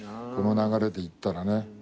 この流れでいったらね。